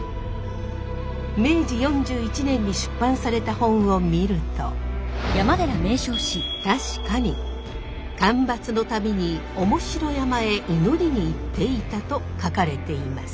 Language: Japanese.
明治４１年に出版された本を見ると確かに干ばつの度に面白山へ祈りに行っていたと書かれています。